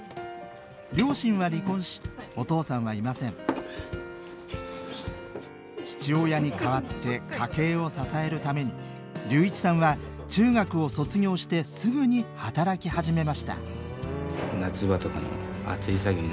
両親は離婚しお父さんはいません父親に代わって家計を支えるために龍一さんは中学を卒業してすぐに働き始めました